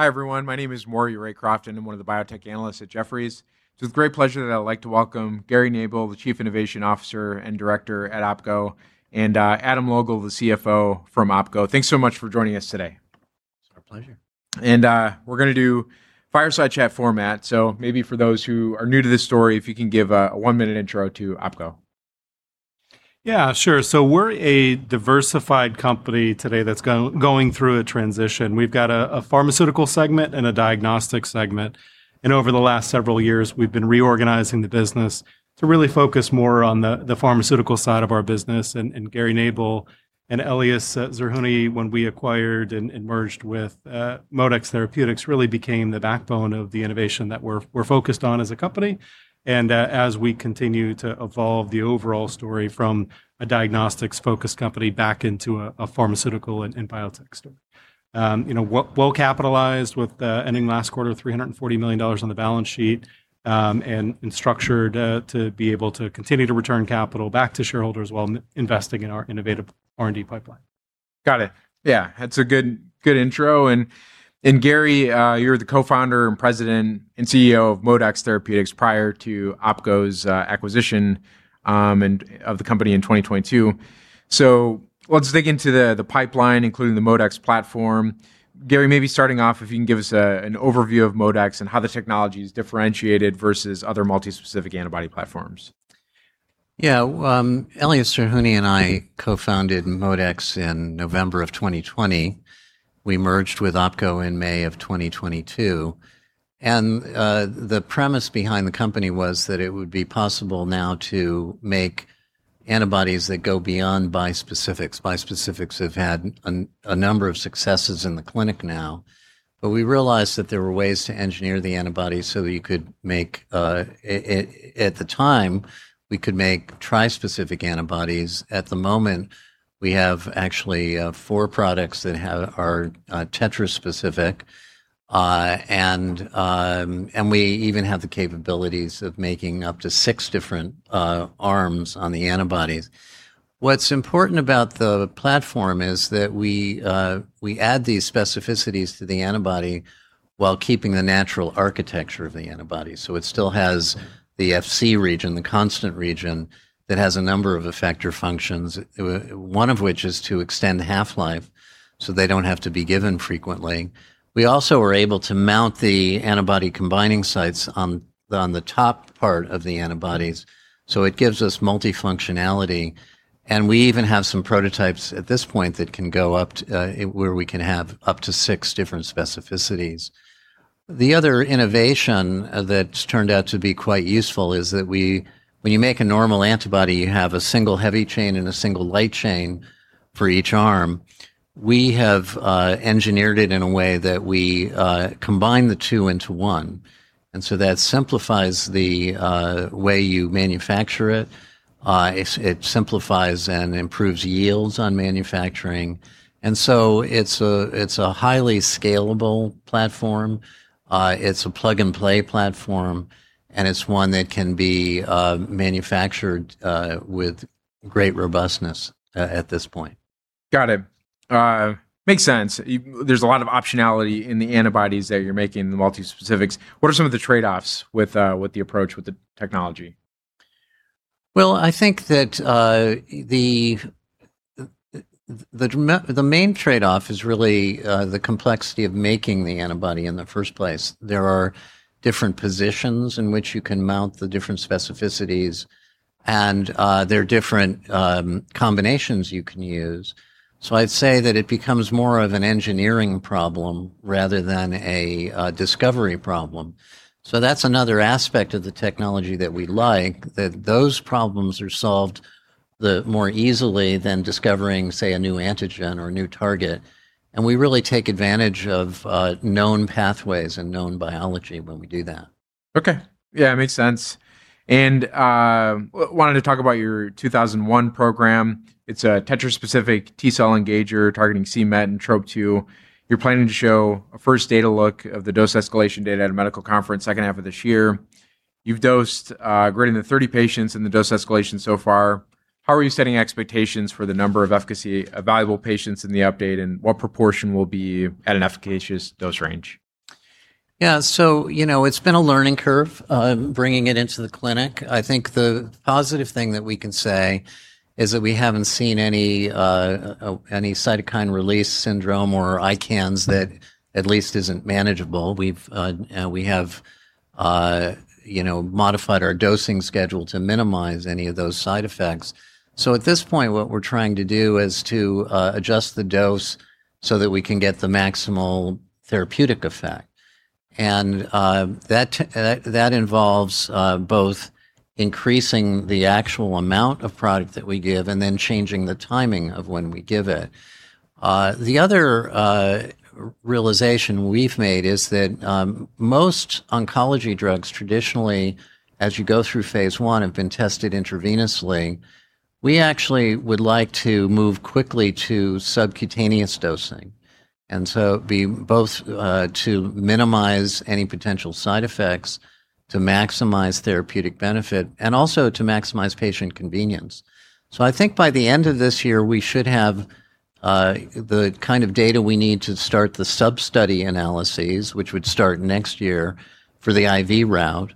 Hi, everyone. My name is Maury Raycroft, and I'm one of the biotech analysts at Jefferies. It's with great pleasure that I'd like to welcome Gary Nabel, the Chief Innovation Officer and Director at OPKO, and Adam Logal, the CFO from OPKO. Thanks so much for joining us today. It's our pleasure. We're going to do fireside chat format, so maybe for those who are new to this story, if you can give a one-minute intro to OPKO. Yeah, sure. We're a diversified company today that's going through a transition. We've got a pharmaceutical segment and a diagnostics segment, and over the last several years, we've been reorganizing the business to really focus more on the pharmaceutical side of our business. Gary Nabel and Elias Zerhouni, when we acquired and merged with ModeX Therapeutics, really became the backbone of the innovation that we're focused on as a company, and as we continue to evolve the overall story from a diagnostics-focused company back into a pharmaceutical and biotech story. Well-capitalized, ending last quarter with $340 million on the balance sheet, and structured to be able to continue to return capital back to shareholders while investing in our innovative R&D pipeline. Got it. Yeah. That's a good intro. Gary, you're the co-founder and president and CEO of ModeX Therapeutics prior to OPKO's acquisition of the company in 2022. Let's dig into the pipeline, including the ModeX platform. Gary, maybe starting off, if you can give us an overview of ModeX and how the technology is differentiated versus other multispecific antibody platforms. Yeah. Elias Zerhouni and I co-founded ModeX in November of 2020. We merged with OPKO in May of 2022. The premise behind the company was that it would be possible now to make antibodies that go beyond bispecifics. Bispecifics have had a number of successes in the clinic now. We realized that there were ways to engineer the antibodies so that you could make, at the time, trispecific antibodies. At the moment, we have actually four products that are tetraspecific. We even have the capabilities of making up to six different arms on the antibodies. What's important about the platform is that we add these specificities to the antibody while keeping the natural architecture of the antibody. It still has the Fc region, the constant region, that has a number of effector functions, one of which is to extend the half-life so they don't have to be given frequently. We also are able to mount the antibody combining sites on the top part of the antibodies, so it gives us multifunctionality, and we even have some prototypes at this point where we can have up to six different specificities. The other innovation that's turned out to be quite useful is that when you make a normal antibody, you have a single heavy chain and a single light chain for each arm. We have engineered it in a way that we combine the two into one, and so that simplifies the way you manufacture it. It simplifies and improves yields on manufacturing, and so it's a highly scalable platform. It's a plug-and-play platform, and it's one that can be manufactured with great robustness at this point. Got it. Makes sense. There's a lot of optionality in the antibodies that you're making, the multispecifics. What are some of the trade-offs with the approach, with the technology? Well, I think that the main trade-off is really the complexity of making the antibody in the first place. There are different positions in which you can mount the different specificities, and there are different combinations you can use. I'd say that it becomes more of an engineering problem rather than a discovery problem. That's another aspect of the technology that we like, that those problems are solved more easily than discovering, say, a new antigen or a new target. We really take advantage of known pathways and known biology when we do that. Okay. Yeah, makes sense. Wanted to talk about your MDX-2001 program. It's a tetraspecific T-cell engager targeting c-Met and Trop-2. You're planning to show a first data look of the dose-escalation data at a medical conference second half of this year. You've dosed greater than 30 patients in the dose escalation so far. How are you setting expectations for the number of efficacy-evaluable patients in the update, and what proportion will be at an efficacious dose range? Yeah. It's been a learning curve, bringing it into the clinic. I think the positive thing that we can say is that we haven't seen any cytokine release syndrome or ICANS that at least isn't manageable. We have modified our dosing schedule to minimize any of those side effects. At this point, what we're trying to do is to adjust the dose so that we can get the maximal therapeutic effect, and that involves both increasing the actual amount of product that we give and then changing the timing of when we give it. The other realization we've made is that most oncology drugs traditionally, as you go through phase I, have been tested intravenously. We actually would like to move quickly to subcutaneous dosing, both to minimize any potential side effects, to maximize therapeutic benefit, and also to maximize patient convenience. I think by the end of this year, we should have the kind of data we need to start the sub-study analyses, which would start next year for the IV route.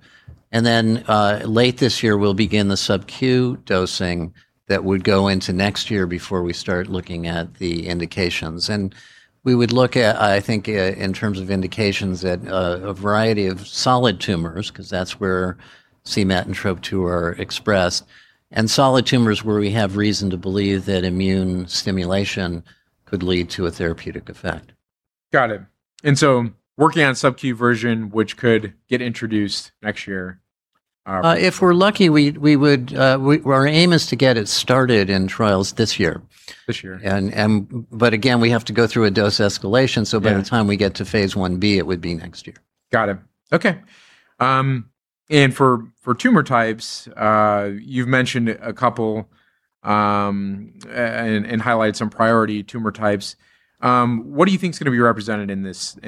Late this year, we'll begin the subq dosing that would go into next year before we start looking at the indications. We would look at, I think, in terms of indications, at a variety of solid tumors, because that's where c-Met and Trop-2 are expressed, and solid tumors where we have reason to believe that immune stimulation could lead to a therapeutic effect. Got it. Working on subq version, which could get introduced next year. If we're lucky. Our aim is to get it started in trials this year. This year. Again, we have to go through a dose escalation. Yeah By the time we get to phase I-B, it would be next year. Got it. Okay. For tumor types, you've mentioned a couple and highlight some priority tumor types. What do you think is going to be represented in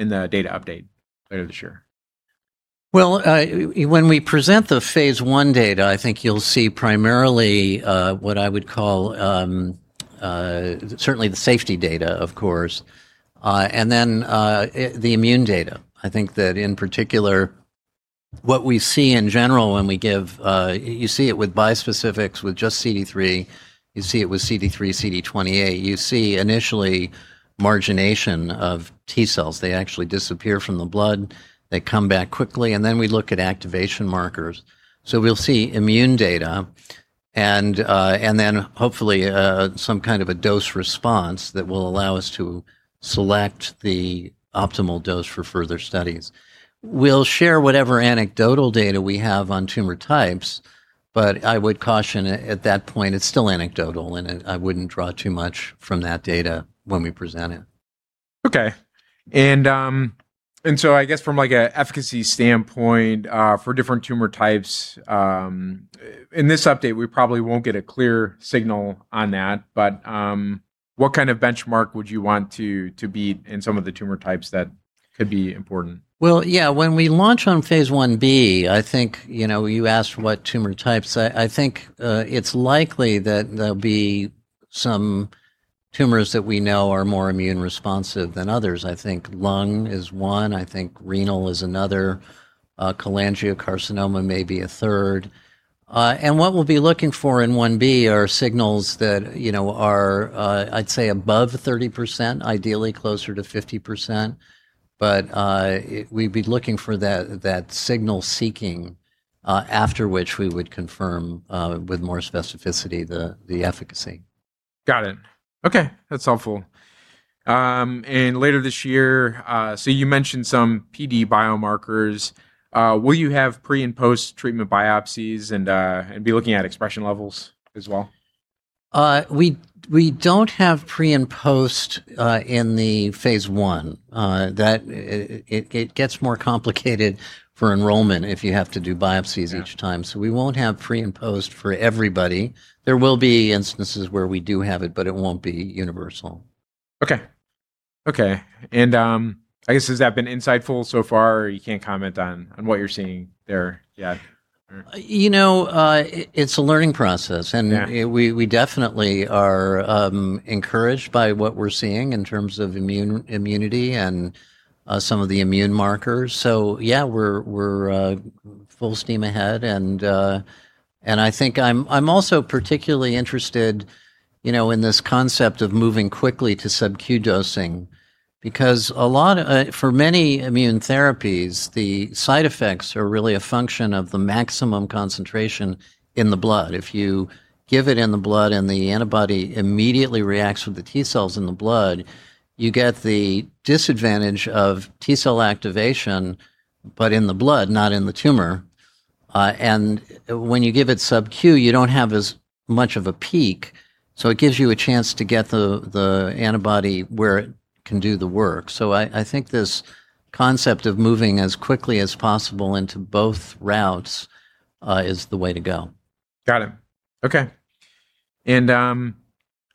the data update later this year? Well, when we present the phase I data, I think you'll see primarily what I would call, certainly the safety data, of course, and then the immune data. I think that in particular, what we see in general when we give, you see it with bispecifics, with just CD3, you see it with CD3, CD28. You see initially margination of T cells. They actually disappear from the blood. They come back quickly. Then we look at activation markers. We'll see immune data and then hopefully some kind of a dose response that will allow us to select the optimal dose for further studies. We'll share whatever anecdotal data we have on tumor types, but I would caution at that point, it's still anecdotal, and I wouldn't draw too much from that data when we present it. Okay. I guess from an efficacy standpoint for different tumor types, in this update, we probably won't get a clear signal on that, but what kind of benchmark would you want to beat in some of the tumor types that could be important? Well, yeah. When we launch on phase I-B, you asked what tumor types, I think it's likely that there'll be some tumors that we know are more immune responsive than others. I think lung is one, I think renal is another, cholangiocarcinoma may be a third. What we'll be looking for in I-B are signals that are, I'd say above 30%, ideally closer to 50%, we'd be looking for that signal seeking, after which we would confirm with more specificity the efficacy. Got it. Okay. That's helpful. Later this year, you mentioned some PD biomarkers. Will you have pre- and post-treatment biopsies and be looking at expression levels as well? We don't have pre- and post- in the phase I. It gets more complicated for enrollment if you have to do biopsies each time. Yeah. We won't have pre- and post- for everybody. There will be instances where we do have it, but it won't be universal. Okay. I guess, has that been insightful so far, or you can't comment on what you're seeing there yet? It's a learning process. Yeah. We definitely are encouraged by what we're seeing in terms of immunity and some of the immune markers. Yeah, we're full steam ahead and I think I'm also particularly interested in this concept of moving quickly to subq dosing, because for many immune therapies, the side effects are really a function of the maximum concentration in the blood. If you give it in the blood and the antibody immediately reacts with the T cells in the blood, you get the disadvantage of T cell activation, but in the blood, not in the tumor. When you give it subq, you don't have as much of a peak, so it gives you a chance to get the antibody where it can do the work. I think this concept of moving as quickly as possible into both routes is the way to go. Got it. Okay.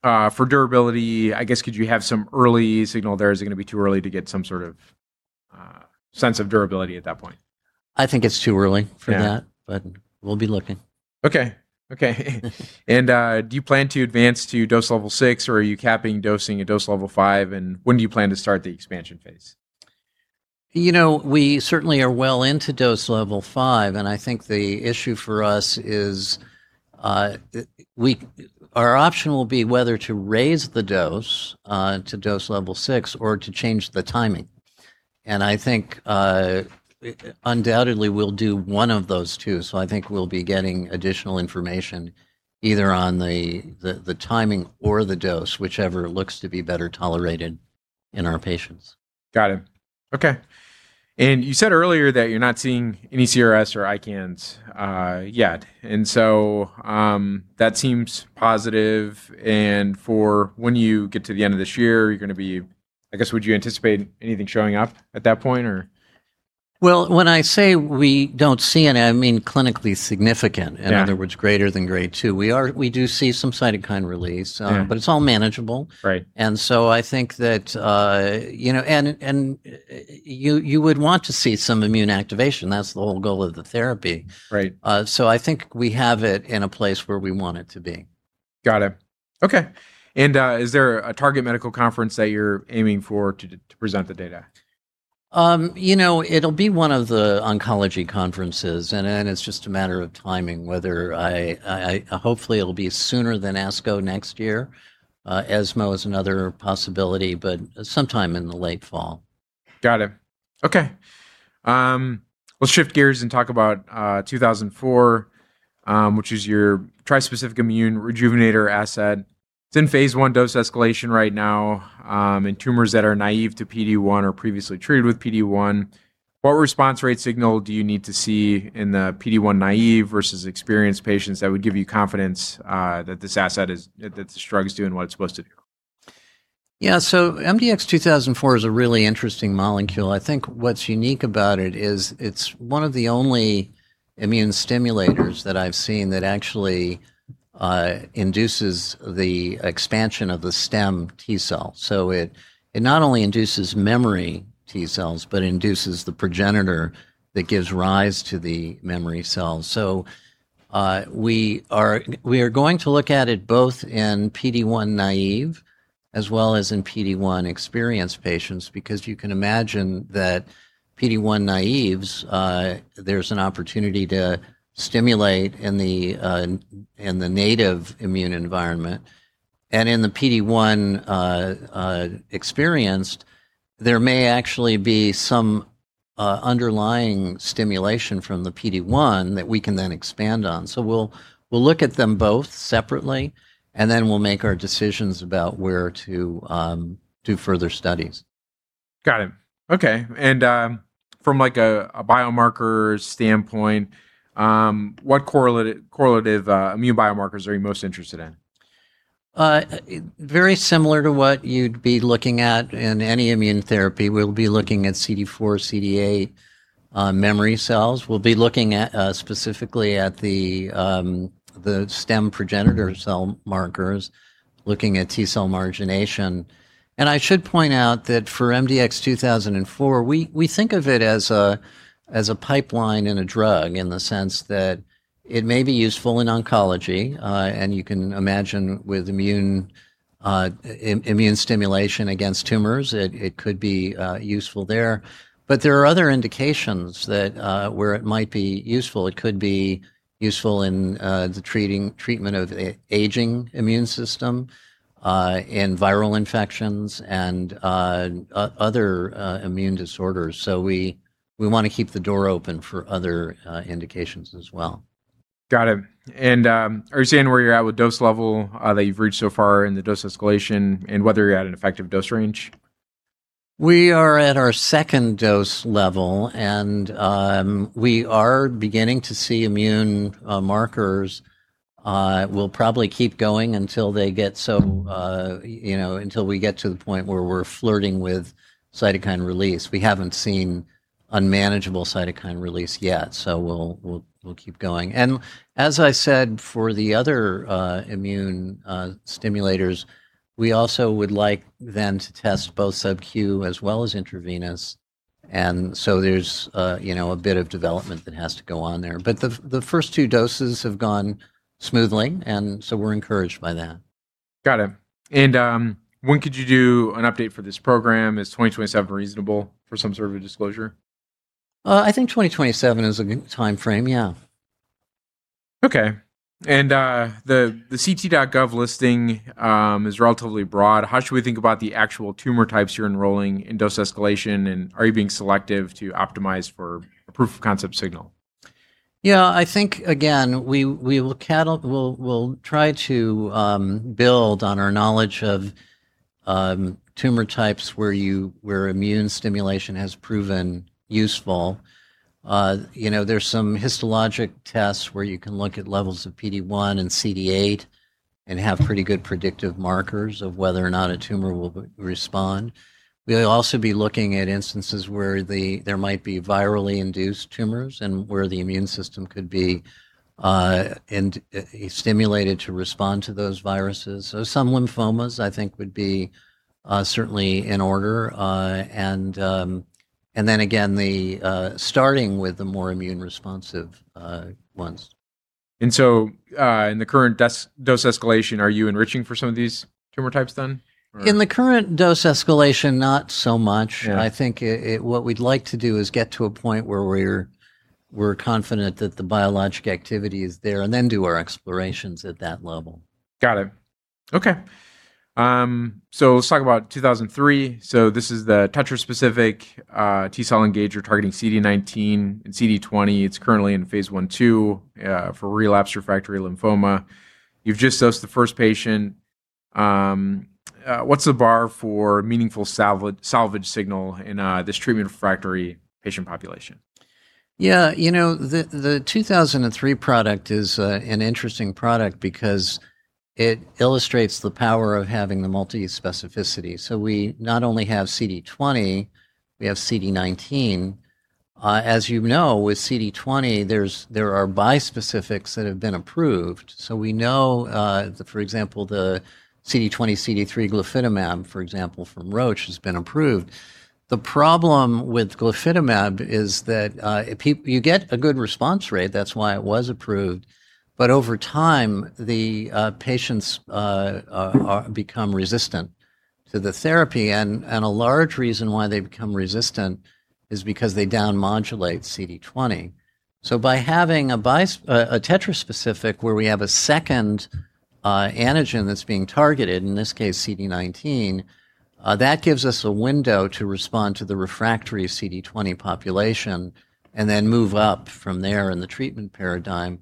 For durability, I guess, could you have some early signal there? Is it going to be too early to get some sort of sense of durability at that point? I think it's too early for that. Yeah. We'll be looking. Okay. Do you plan to advance to dose level six, or are you capping dosing at dose level five? When do you plan to start the expansion phase? We certainly are well into dose level five, I think the issue for us is our option will be whether to raise the dose to dose level six or to change the timing. I think undoubtedly we'll do one of those two. I think we'll be getting additional information either on the timing or the dose, whichever looks to be better tolerated in our patients. Got it. Okay. You said earlier that you're not seeing any CRS or ICANS yet, and so that seems positive. For when you get to the end of this year, I guess, would you anticipate anything showing up at that point, or? Well, when I say we don't see it, I mean clinically significant. Yeah. In other words, greater than Grade 2. We do see some cytokine release. Yeah. It's all manageable. Right. You would want to see some immune activation. That's the whole goal of the therapy. Right. I think we have it in a place where we want it to be. Got it. Okay. Is there a target medical conference that you're aiming for to present the data? It'll be one of the oncology conferences, and then it's just a matter of timing, whether hopefully it'll be sooner than ASCO next year. ESMO is another possibility, but sometime in the late fall. Got it. Okay. Let's shift gears and talk about MDX-2004, which is your trispecific immune rejuvenator asset. It's in phase I dose escalation right now in tumors that are naive to PD-1 or previously treated with PD-1. What response rate signal do you need to see in the PD-1 naive versus experienced patients that would give you confidence that this drug is doing what it's supposed to do? Yeah. MDX-2004 is a really interesting molecule. I think what's unique about it is it's one of the only immune stimulators that I've seen that actually induces the expansion of the stem T cell. It not only induces memory T cells, but induces the progenitor that gives rise to the memory cells. We are going to look at it both in PD-1 naive as well as in PD-1 experienced patients, because you can imagine that PD-1 naives, there's an opportunity to stimulate in the native immune environment. In the PD-1 experienced, there may actually be some underlying stimulation from the PD-1 that we can then expand on. We'll look at them both separately, and then we'll make our decisions about where to do further studies. Got it. Okay. From a biomarkers standpoint, what correlative immune biomarkers are you most interested in? Very similar to what you'd be looking at in any immune therapy. We'll be looking at CD4, CD8 memory cells. We'll be looking specifically at the stem progenitor cell markers, looking at T-cell margination. I should point out that for MDX-2004, we think of it as a pipeline and a drug in the sense that it may be useful in oncology. You can imagine with immune stimulation against tumors, it could be useful there. There are other indications where it might be useful. It could be useful in the treatment of aging immune system, in viral infections, and other immune disorders. We want to keep the door open for other indications as well. Got it. Are you saying where you're at with dose level that you've reached so far in the dose escalation and whether you're at an effective dose range? We are at our second dose level, and we are beginning to see immune markers. We'll probably keep going until we get to the point where we're flirting with cytokine release. We haven't seen unmanageable cytokine release yet. We'll keep going. As I said, for the other immune stimulators, we also would like then to test both sub-Q as well as intravenous. There's a bit of development that has to go on there. The first two doses have gone smoothly. We're encouraged by that. Got it. When could you do an update for this program? Is 2027 reasonable for some sort of a disclosure? I think 2027 is a good timeframe, yeah. Okay. The ClinicalTrials.gov listing is relatively broad. How should we think about the actual tumor types you're enrolling in dose escalation, and are you being selective to optimize for a proof of concept signal? I think, again, we'll try to build on our knowledge of tumor types where immune stimulation has proven useful. There's some histologic tests where you can look at levels of PD-1 and CD8 and have pretty good predictive markers of whether or not a tumor will respond. We'll also be looking at instances where there might be virally induced tumors and where the immune system could be stimulated to respond to those viruses. Some lymphomas, I think, would be certainly in order, and then again, starting with the more immune responsive ones. In the current dose escalation, are you enriching for some of these tumor types then, or? In the current dose escalation, not so much. Yeah. I think what we'd like to do is get to a point where we're confident that the biologic activity is there and then do our explorations at that level. Got it. Okay. Let's talk about MDX-2003. This is the tetraspecific T-cell engager targeting CD19 and CD20. It's currently in phase I/II, for relapse refractory lymphoma. You've just dosed the first patient. What's the bar for meaningful salvage signal in this treatment-refractory patient population? Yeah. The 2003 product is an interesting product because it illustrates the power of having the multi-specificity. We not only have CD20, we have CD19. As you know, with CD20, there are bispecifics that have been approved. We know, for example, the CD20, CD3 glofitamab, for example, from Roche, has been approved. The problem with glofitamab is that you get a good response rate, that's why it was approved, but over time, the patients become resistant to the therapy. A large reason why they become resistant is because they down-modulate CD20. By having a tetraspecific where we have a second antigen that's being targeted, in this case CD19, that gives us a window to respond to the refractory CD20 population, and then move up from there in the treatment paradigm.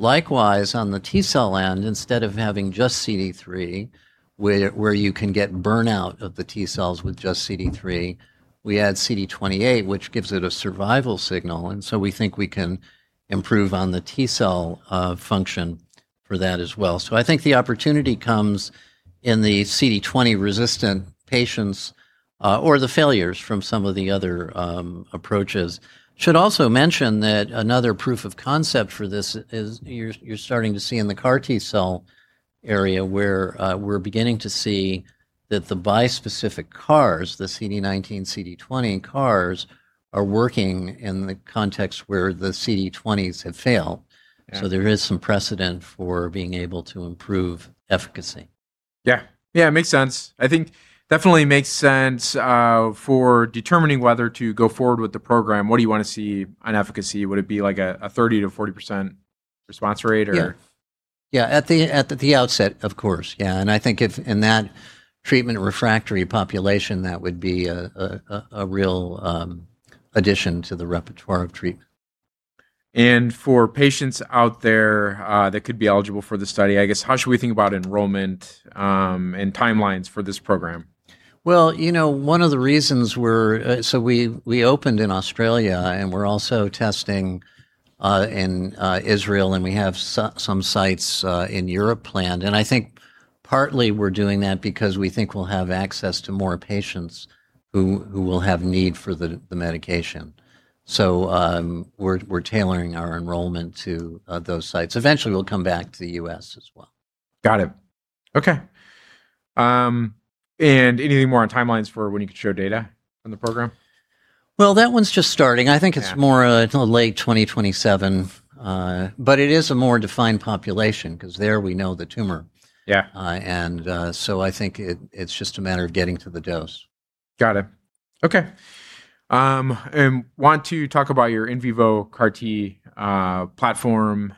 Likewise, on the T cell end, instead of having just CD3, where you can get burnout of the T cells with just CD3, we add CD28, which gives it a survival signal. We think we can improve on the T cell function for that as well. I think the opportunity comes in the CD20-resistant patients, or the failures from some of the other approaches. Should also mention that another proof of concept for this is you're starting to see in the CAR T cell area where we're beginning to see that the bispecific CARs, the CD19-CD20 CARs, are working in the context where the CD20s have failed. Yeah. There is some precedent for being able to improve efficacy. Yeah. Makes sense. I think definitely makes sense for determining whether to go forward with the program. What do you want to see on efficacy? Would it be like a 30%-40% response rate or? Yeah. At the outset, of course. Yeah. I think if in that treatment-refractory population, that would be a real addition to the repertoire of treatment. For patients out there that could be eligible for the study, I guess, how should we think about enrollment and timelines for this program? Well, one of the reasons we opened in Australia, and we're also testing in Israel, and we have some sites in Europe planned. I think partly we're doing that because we think we'll have access to more patients who will have need for the medication. We're tailoring our enrollment to those sites. Eventually, we'll come back to the U.S. as well. Got it. Okay. Anything more on timelines for when you could share data on the program? Well, that one's just starting. I think it's more late 2027. It is a more defined population, because there we know the tumor. Yeah. I think it's just a matter of getting to the dose. Got it. Okay. Want to talk about your in vivo CAR T platform.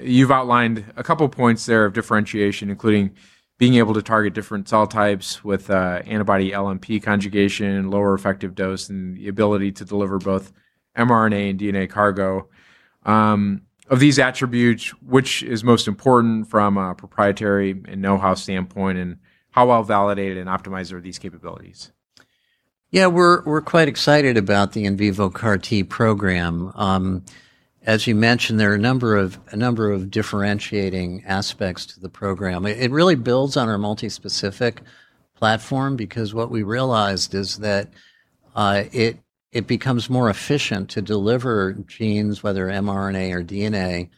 You've outlined a couple of points there of differentiation, including being able to target different cell types with antibody LNP conjugation, and lower effective dose, and the ability to deliver both mRNA and DNA cargo. Of these attributes, which is most important from a proprietary and know-how standpoint, and how well validated and optimized are these capabilities? Yeah. We're quite excited about the in vivo CAR T program. As you mentioned, there are a number of differentiating aspects to the program. It really builds on our multispecific platform because what we realized is that it becomes more efficient to deliver genes, whether mRNA or DNA,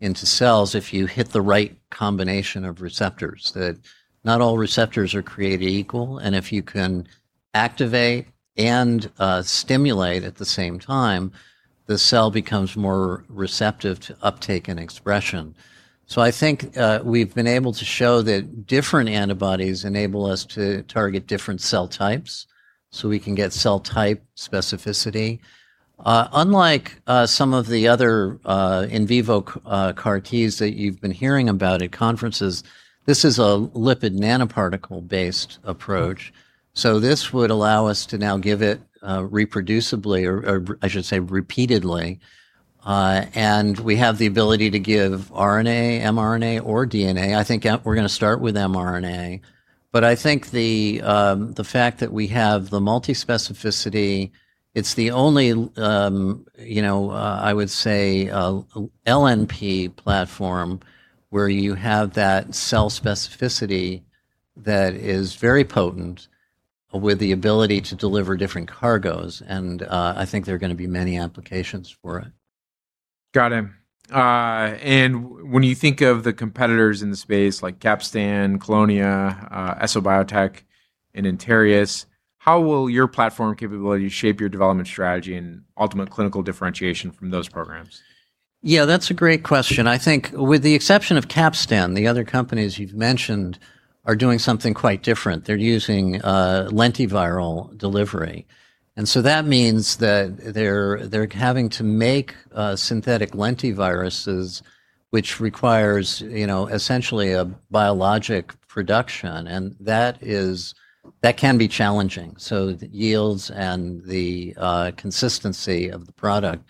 into cells if you hit the right combination of receptors, that not all receptors are created equal. If you can activate and stimulate at the same time, the cell becomes more receptive to uptake and expression. I think we've been able to show that different antibodies enable us to target different cell types, so we can get cell type specificity. Unlike some of the other in vivo CAR Ts that you've been hearing about at conferences, this is a lipid nanoparticle-based approach. This would allow us to now give it reproducibly, or I should say, repeatedly. We have the ability to give RNA, mRNA, or DNA. I think we're going to start with mRNA. I think the fact that we have the multispecificity, it's the only, I would say, LNP platform where you have that cell specificity that is very potent with the ability to deliver different cargos. I think there are going to be many applications for it. Got it. And when you think of the competitors in the space like Capstan, Kelonia, EsoBiotec, and Interius, how will your platform capabilities shape your development strategy and ultimate clinical differentiation from those programs? Yeah, that's a great question. I think with the exception of Capstan, the other companies you've mentioned are doing something quite different. They're using lentiviral delivery. That means that they're having to make synthetic lentiviruses, which requires essentially a biologic production. That can be challenging. The yields and the consistency of the product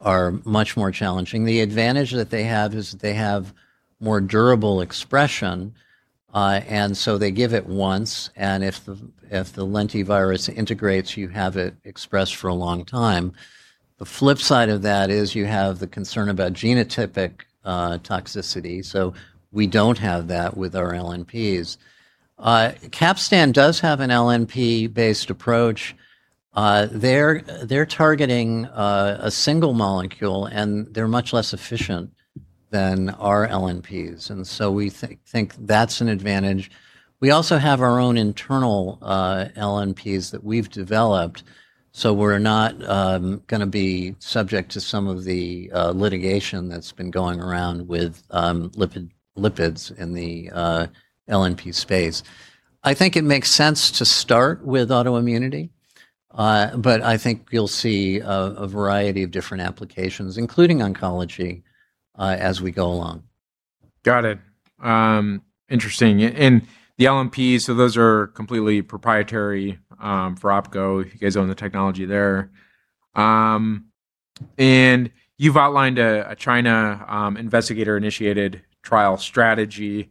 are much more challenging. The advantage that they have is that they have more durable expression. They give it once, and if the lentivirus integrates, you have it expressed for a long time. The flip side of that is you have the concern about genotypic toxicity. We don't have that with our LNPs. Capstan does have an LNP-based approach. They're targeting a single molecule, and they're much less efficient than our LNPs, and so we think that's an advantage. We also have our own internal LNPs that we've developed, so we're not going to be subject to some of the litigation that's been going around with lipids in the LNP space. I think it makes sense to start with autoimmunity. I think you'll see a variety of different applications, including oncology, as we go along. Got it. Interesting. The LNPs, those are completely proprietary for OPKO. You guys own the technology there. You've outlined a China investigator-initiated trial strategy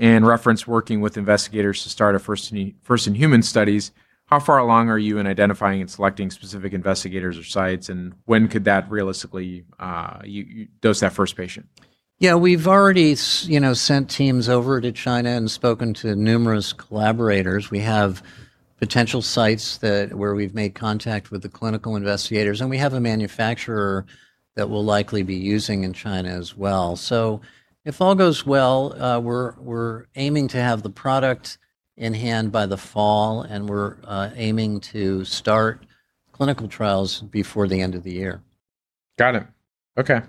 and reference working with investigators to start a first in human studies. How far along are you in identifying and selecting specific investigators or sites, and when could that realistically dose that first patient? Yeah. We've already sent teams over to China and spoken to numerous collaborators. We have potential sites where we've made contact with the clinical investigators, and we have a manufacturer that we'll likely be using in China as well. If all goes well, we're aiming to have the product in hand by the fall, and we're aiming to start clinical trials before the end of the year. Got it. Okay.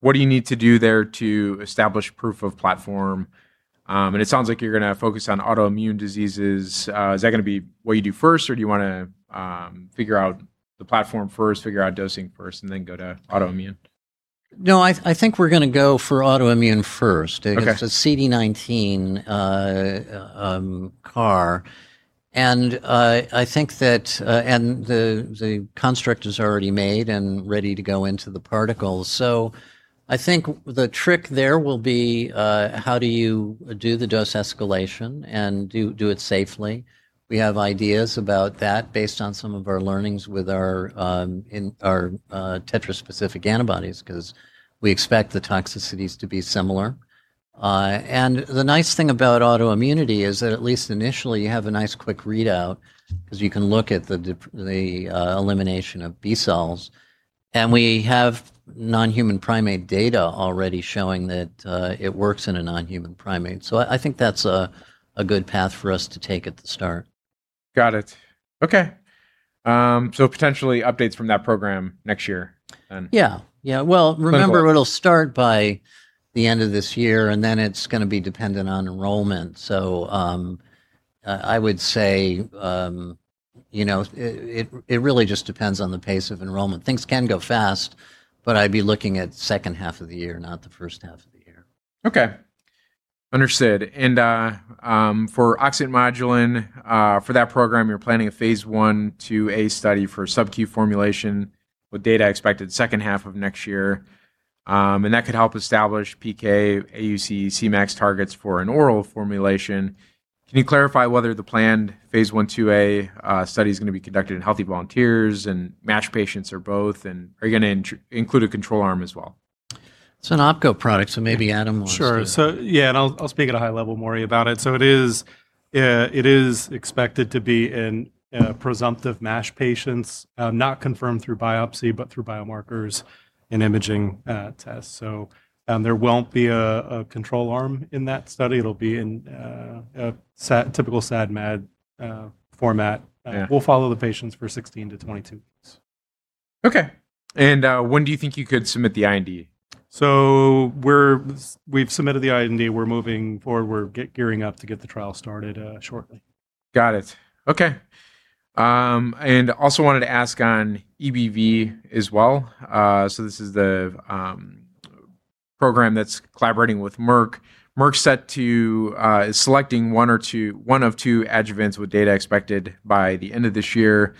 What do you need to do there to establish proof of platform? It sounds like you're going to focus on autoimmune diseases. Is that going to be what you do first, or do you want to figure out the platform first, figure out dosing first, and then go to autoimmune? No, I think we're going to go for autoimmune first. Okay. It's a CD19 CAR, and the construct is already made and ready to go into the particles. I think the trick there will be, how do you do the dose escalation and do it safely? We have ideas about that based on some of our learnings with our tetraspecific antibodies, because we expect the toxicities to be similar. The nice thing about autoimmunity is that, at least initially, you have a nice quick readout because you can look at the elimination of B cells. We have non-human primate data already showing that it works in a non-human primate. I think that's a good path for us to take at the start. Got it. Okay. Potentially updates from that program next year then. Yeah. Clinical. Well, remember, it'll start by the end of this year, and then it's going to be dependent on enrollment. I would say it really just depends on the pace of enrollment. Things can go fast, but I'd be looking at the second half of the year, not the first half of the year. Okay. Understood. For oxyntomodulin, for that program, you're planning a phase I/II-A study for sub-Q formulation with data expected the second half of next year, and that could help establish PK, AUC, Cmax targets for an oral formulation. Can you clarify whether the planned phase I/II-A study's going to be conducted in healthy volunteers and MASH patients or both, and are you going to include a control arm as well? It's an OPKO product, so maybe Adam wants to. Sure. Yeah, and I'll speak at a high level more about it. It is expected to be in presumptive MASH patients, not confirmed through biopsy but through biomarkers and imaging tests. There won't be a control arm in that study. It'll be in a typical SAD/MAD format. Yeah. We'll follow the patients for 16-22 days. Okay. When do you think you could submit the IND? We've submitted the IND. We're moving forward. We're gearing up to get the trial started shortly. Got it. Okay. Also wanted to ask on EBV as well. This is the program that's collaborating with Merck. Merck is selecting one of two adjuvants with data expected by the end of this year.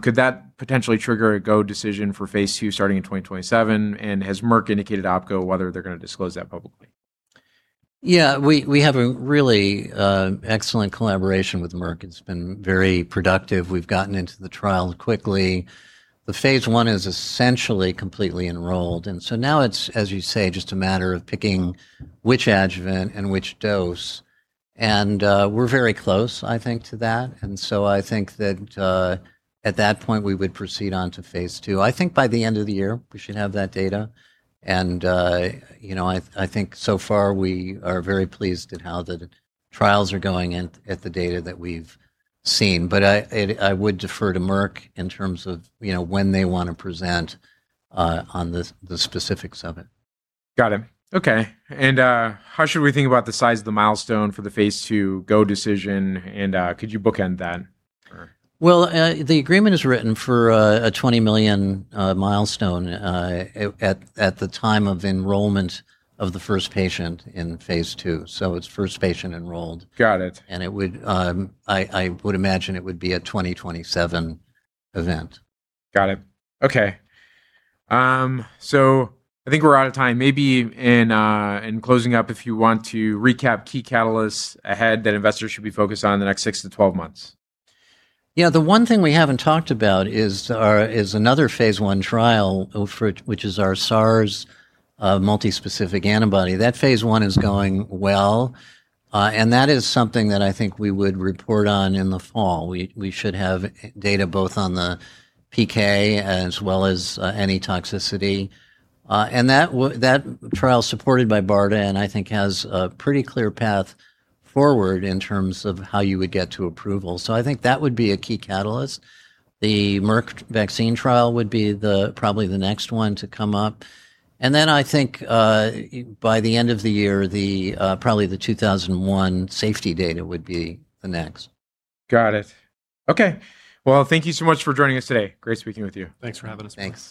Could that potentially trigger a go decision for phase II starting in 2027? Has Merck indicated to OPKO whether they're going to disclose that publicly? We have a really excellent collaboration with Merck. It's been very productive. We've gotten into the trial quickly. The phase I is essentially completely enrolled. Now it's, as you say, just a matter of picking which adjuvant and which dose. We're very close, I think, to that. I think that at that point, we would proceed on to phase II. I think by the end of the year, we should have that data. I think so far, we are very pleased at how the trials are going and at the data that we've seen. I would defer to Merck in terms of when they want to present on the specifics of it. Got it. Okay. How should we think about the size of the milestone for the phase II go decision, and could you bookend that? Well, the agreement is written for a $20 million milestone at the time of enrollment of the first patient in phase II. It's first patient enrolled. Got it. I would imagine it would be a 2027 event. Got it. Okay. I think we're out of time. Maybe in closing up, if you want to recap key catalysts ahead that investors should be focused on in the next 6-12 months. Yeah. The one thing we haven't talked about is another phase I trial, which is our SARS multispecific antibody. That phase I is going well, that is something that I think we would report on in the fall. We should have data both on the PK as well as any toxicity. That trial is supported by BARDA, and I think has a pretty clear path forward in terms of how you would get to approval. I think that would be a key catalyst. The Merck vaccine trial would be probably the next one to come up. I think by the end of the year, probably the MDX-2001 safety data would be the next. Got it. Okay. Well, thank you so much for joining us today. Great speaking with you. Thanks for having us, Maury.